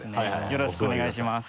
よろしくお願いします。